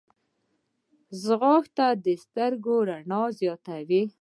ځغاسته د سترګو رڼا زیاتوي